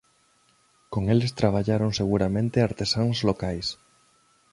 Con eles traballaron seguramente artesáns locais.